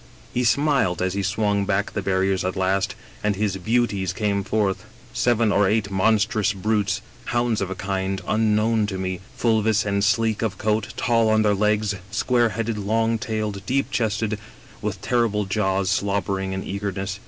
" He smiled, as he swung back the barriers at last, and his * beauties ' came forth. Seven or eight monstrous brutes, hounds of a kind unknown to me : fulvous and sleek of coat, tall on their legs, square headed, long tailed, deep chested ; with terrible jaws slobbering in eagerness.